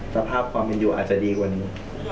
สภาพความเป็นอยู่อาจจะดีกว่านี้